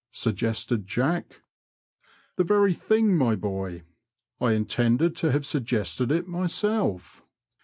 " suggested Jack. The very thing, my boy ; I intended to have suggested it myself."